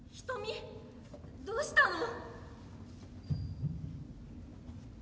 どうしたの？